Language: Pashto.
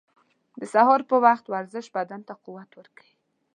• د سهار پر وخت ورزش بدن ته قوت ورکوي.